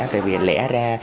tại vì lẽ ra